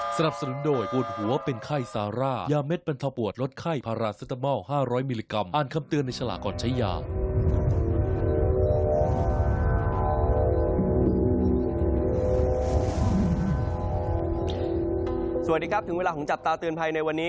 สวัสดีครับถึงเวลาของจับตาเตือนภัยในวันนี้